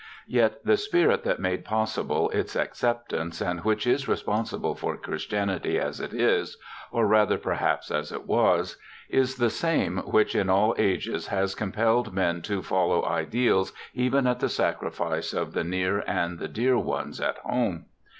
Yet the spirit that made possible its acceptance, and which is responsible for Christianity as it is — or rather, perhaps, as it was — is the same which in all ages has compelled men to follow ideals, even at the sacrifice of the near and the dear ones at home.